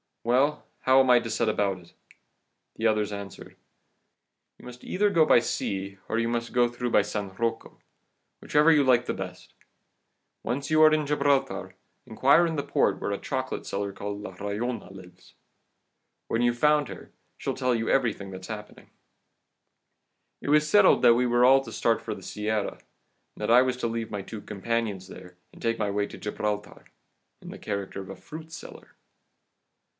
'Well, how am I to set about it?' "The others answered: "'You must either go by sea, or you must get through by San Rocco, whichever you like the best; once you are in Gibraltar, inquire in the port where a chocolate seller called La Rollona lives. When you've found her, she'll tell you everything that's happening.' "It was settled that we were all to start for the Sierra, that I was to leave my two companions there, and take my way to Gibraltar, in the character of a fruit seller.